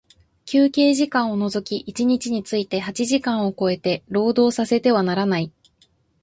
休憩時間を除き一日について八時間を超えて、労働させてはならない。